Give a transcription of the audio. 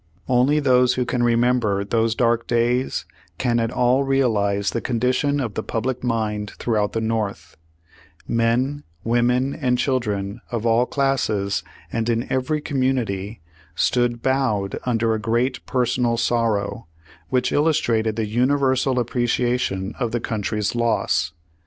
Only those v/ho can remember those dark days, can at all realize the condition of the public mind throughout the North, Men, women, and children of all classes and in every community stood bowed under a great personal sorrow, which illustrated the universal appreciation of the coun try's loss.